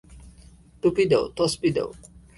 টুপি দেও, তসবি দেও!